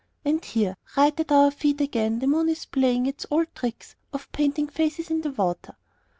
And here, right at our feet again, the moon is playing its old tricks of painting faces in the water....